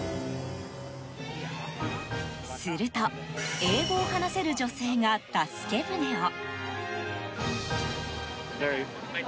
すると、英語を話せる女性が助け舟を。